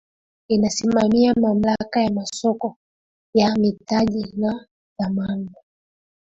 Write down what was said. inasimamia mamlaka ya masoko ya mitaji na dhamana